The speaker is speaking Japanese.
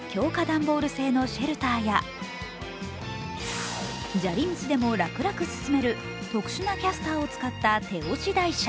段ボール製のシェルターや砂利道でも楽々進める特殊なキャスターを使った手押し台車。